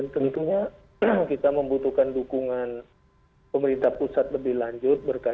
terima kasih pak